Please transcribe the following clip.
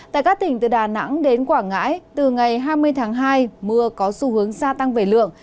tại các tỉnh từ đà nẵng đến quảng ngãi từ ngày hai mươi tháng hai mưa có xu hướng gia tăng về lượng